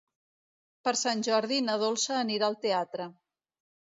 Per Sant Jordi na Dolça anirà al teatre.